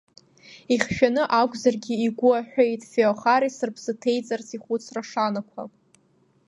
Ихьшәаны акәзаргьы, игәы аҳәеит Феохарис рыԥсы ҭеиҵарц ихәыцра шанақәа.